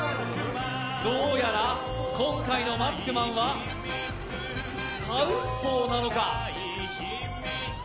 どうやら今回のマスクマンはサウスポーなのか。